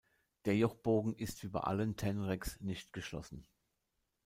Der Jochbogen ist wie bei allen Tenreks nicht geschlossen.